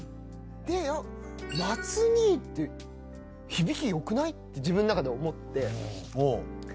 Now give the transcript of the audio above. で「松兄」って響き良くない？って自分の中で思って。